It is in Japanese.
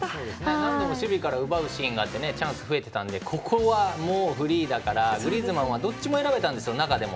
何度も守備から奪うシーンがあってチャンスが増えていたのでここはフリーだからグリーズマンはどっちも選べたんです、中でも。